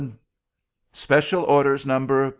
Special orders, Number